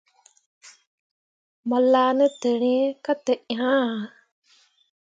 Mo laa ne tǝrîi ka te ŋaa ah.